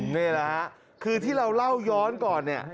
นี่แหละค่ะคือที่เราเล่าย้อนก่อน